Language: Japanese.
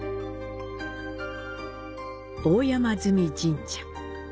大山祇神社。